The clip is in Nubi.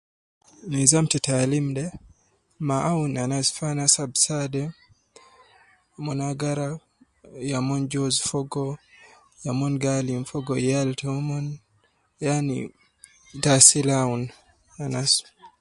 Nizam ta taalim de ma aunu anas zaidi anas fi ana ab saade Mon agara ya umon joozu fogo ya umon gaalim Fogo yal toumon yaani taasil aunu anas